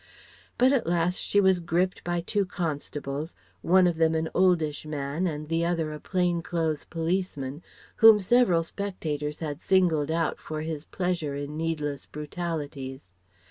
But at last she was gripped by two constables, one of them an oldish man and the other a plain clothes policeman, whom several spectators had singled out for his pleasure in needless brutalities.